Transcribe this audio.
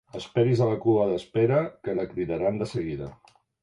Esperi's a la cua d'espera, que la cridaran de seguida.